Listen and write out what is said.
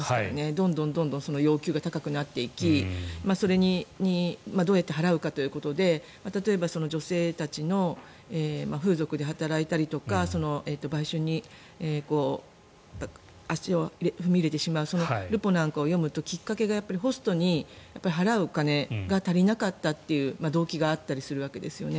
どんどん要求が高くなっていきそれにどう払うかということで例えば、女性たちが風俗で働いたりとか売春に足を踏み入れてしまうルポなんかを読むときっかけが、ホストに払うお金が足りなかったという動機があったりするわけですよね